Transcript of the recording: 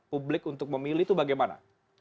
publik untuk memilih itu bagaimana